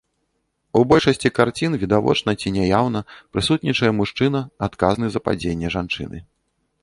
У большасці карцін відавочна ці няяўна прысутнічае мужчына, адказны за падзенне жанчыны.